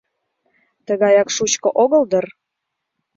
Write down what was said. — Тугаяк шучко огыл дыр?